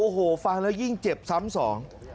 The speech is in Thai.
โอ้โหฟังแล้วยิ่งเจ็บซ้ำสอง